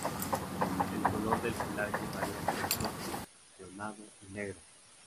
El color del pelaje varía entre el rojo, leonado y negro.